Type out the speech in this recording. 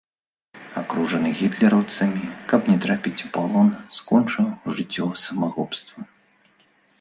Акружаны гітлераўцамі, каб не трапіць у палон, скончыў жыццё самагубствам.